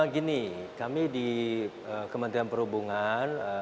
gini kami di kementerian perhubungan